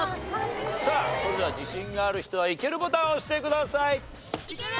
さあそれでは自信がある人はイケるボタンを押してください。